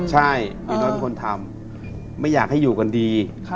ใช่หนูน้อยเป็นคนทำไม่อยากให้อยู่กันดี